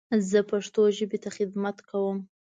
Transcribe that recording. زه پښتو ژبې ته خدمت کوم.